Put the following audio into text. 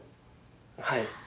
はい。